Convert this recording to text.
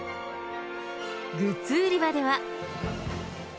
グッズ売り場では。